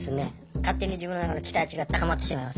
勝手に自分の中の期待値が高まってしまいます。